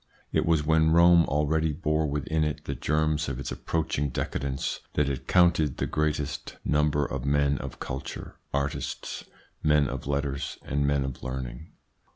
It was when Rome already bore within it the germs of its approaching decadence that it counted the greatest number of men of culture, artists, men of letters, and men of learning.